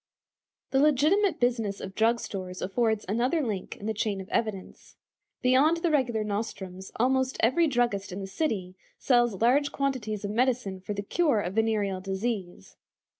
The legitimate business of drug stores affords another link in the chain of evidence. Beyond the regular nostrums, almost every druggist in the city sells large quantities of medicine for the cure of venereal disease.